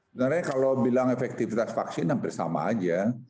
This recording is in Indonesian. sebenarnya kalau bilang efektivitas vaksin hampir sama aja